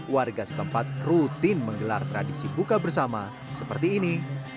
warga setempat rutin menggelar tradisi buka bersama seperti ini